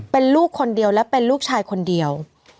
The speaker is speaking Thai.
เป็นลูกคนเดียวและเป็นลูกชายคนเดียว